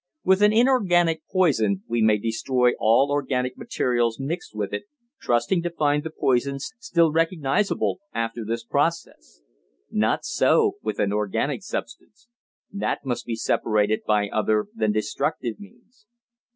With an inorganic poison we may destroy all organic materials mixed with it, trusting to find the poison still recognisable after this process. Not so with an organic substance; that must be separated by other than destructive means.